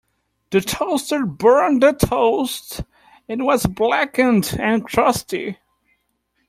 The toaster burnt the toast, it was blackened and crusty.